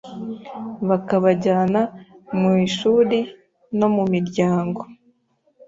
bakabajyana mu ishuri no mu miryango.